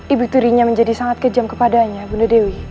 ibu tirinya menjadi sangat kejam kepadanya bunda dewi